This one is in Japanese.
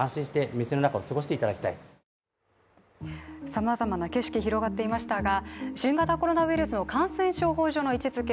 さまざまな景色広がっていましたが新型コロナウイルスの感染症法上の位置づけ